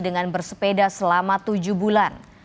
dengan bersepeda selama tujuh bulan